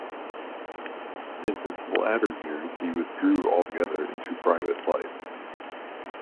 In his latter years he withdrew altogether into private life.